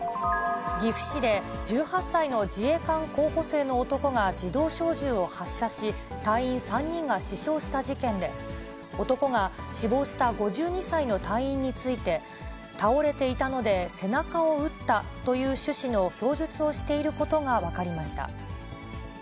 岐阜市で１８歳の自衛官候補生の男が自動小銃を発射し、隊員３人が死傷した事件で、男が死亡した５２歳の隊員について、倒れていたので背中を撃ったという趣旨の供述をしていることが分かりました。